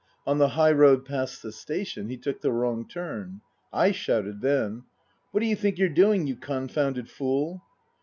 On the high road past the station he took the wrong turn. / shouted then. " What do you think you're doing, you confounded fool